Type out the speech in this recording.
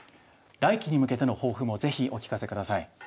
来期に向けての抱負も是非お聞かせ下さい。